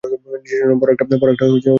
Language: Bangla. নিজের জন্য একটা বড় রোবট বউ আনবে?